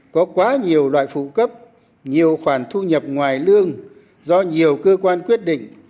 có quá nhiều loại phụ cấp nhiều khoản thu nhập ngoài lương do nhiều cơ quan quyết định